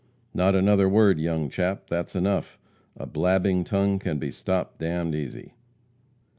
"Not another word, young chap! That's enough! A blabbing tongue can be stopped d d easy."